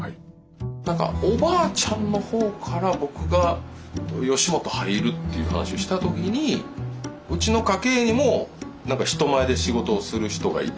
なんかおばあちゃんのほうから僕が吉本入るっていう話をした時にうちの家系にも人前で仕事をする人がいた。